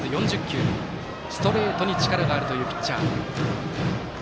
ストレートに力があるというピッチャー。